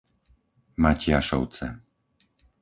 Matiašovce